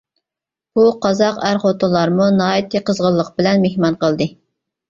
بۇ قازاق ئەر-خوتۇنلارمۇ ناھايىتى قىزغىنلىق بىلەن مېھمان قىلدى.